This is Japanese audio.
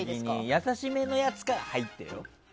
優しめのやつから入ってよ。